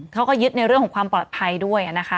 เขาก็ยึดในเรื่องของความปลอดภัยด้วยนะคะ